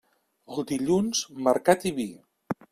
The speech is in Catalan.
El dilluns, mercat i vi.